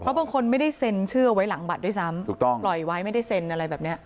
บางคนไม่ได้เซ็นชื่อไว้หลังบัตรด้วยซ้ำถูกต้องปล่อยไว้ไม่ได้เซ็นอะไรแบบเนี้ย